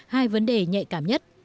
hai vấn đề nhạy cảm nhất